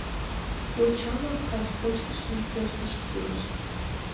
йоча-влак кас кочкышлан пӧртыш пурышт.